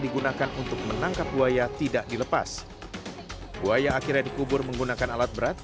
digunakan untuk menangkap buaya tidak dilepas buaya akhirnya dikubur menggunakan alat berat